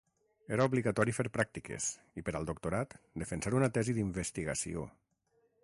Era obligatori fer pràctiques i per al doctorat defensar una tesi d'investigació.